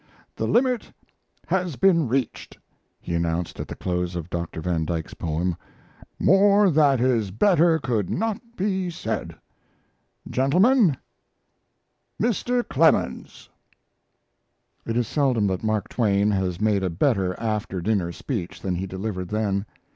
"The limit has been reached," he announced at the close of Dr. van Dyke's poem. "More that is better could not be said. Gentlemen, Mr. Clemens." It is seldom that Mark Twain has made a better after dinner speech than he delivered then.